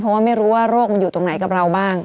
เพราะว่าไม่รู้ว่าโรคมันอยู่ตรงไหนกับเราบ้าง